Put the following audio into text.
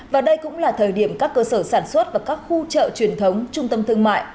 và đây cũng là thời điểm các cơ sở sản xuất và các khu chợ truyền thống trung tâm thương mại